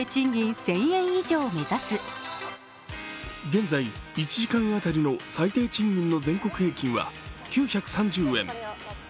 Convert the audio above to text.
現在、１時間当たりの最低賃金の全国平均は９３０円。